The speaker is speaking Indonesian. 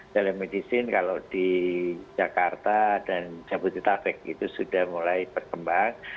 telemedicine kalau di jakarta dan jabodetabek itu sudah mulai berkembang